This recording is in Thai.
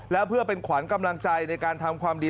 และเพื่อเป็นขวัญกำลังใจในการทำความดี